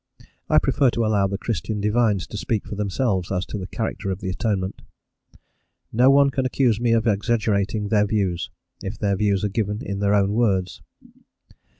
I prefer to allow the Christian divines to speak for themselves as to the character of the atonement: no one can accuse me of exaggerating their views, if their views are given in their own words.